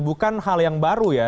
bukan hal yang baru ya